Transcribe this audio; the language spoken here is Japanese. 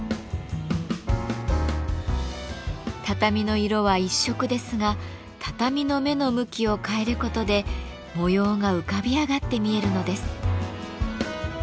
畳の色は一色ですが畳の目の向きを変えることで模様が浮かび上がって見えるのです。